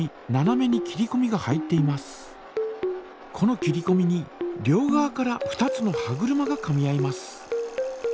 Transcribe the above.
この切りこみに両側から２つの歯車がかみ合います。